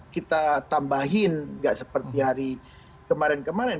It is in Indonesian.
kita tambahin nggak seperti hari kemarin kemarin